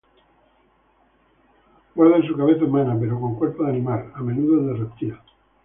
Guardan su cabeza humana, pero con cuerpo de animal, a menudo de reptil.